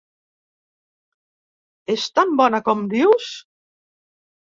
És tan bona com dius?